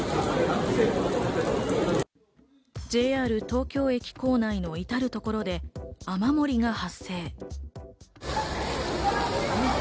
ＪＲ東京駅構内の至る所で雨漏りが発生。